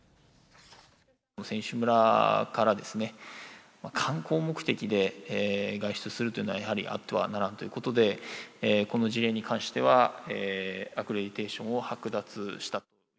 選手村から観光目的で外出するというのは、やはりあってはならんということで、この事例に関しては、アクレディテーションを剥奪したと。